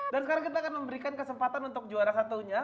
dan sekarang kita akan memberikan kesempatan untuk juara satunya